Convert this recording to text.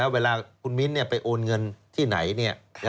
เวลาคุณมิ้นท์ไปโอนเงินที่ไหน